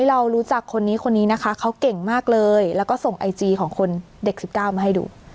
เรารู้จักคนนี้คนนี้นะคะเขาเก่งมากเลยแล้วก็ส่งไอจีของคนเด็ก๑๙มาให้ดู